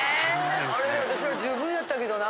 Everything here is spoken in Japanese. あれ私らは十分やったけどな。